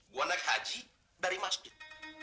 gue naik haji dari masjid